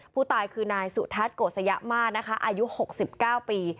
ผู้ตายคือนายสุทัศน์โกสยะมานะคะอายุ๖๙ปี